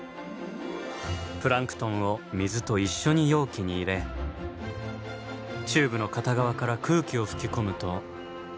プランクトンを水と一緒に容器に入れチューブの片側から空気を吹き込むと。